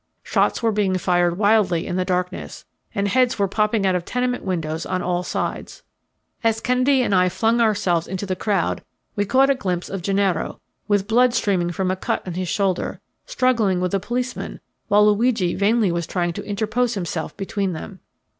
Shots were being fired wildly in the darkness, and heads were popping out of tenement windows on all sides. As Kennedy and I flung ourselves into the crowd we caught a glimpse of Gennaro, with blood streaming from a cut on his shoulder, struggling with a policeman while Luigi vainly was trying to interpose himself between them.